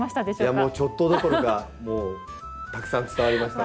ちょっとどころかもうたくさん伝わりました。